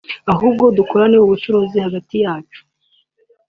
ahubwo nidukorana ubucuruzi hagati yacu